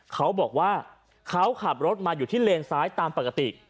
เขาบอกว่าเขาขับรถมาอยู่ที่เลนซ้ายตามปกติ